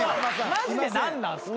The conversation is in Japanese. マジで何なんすか？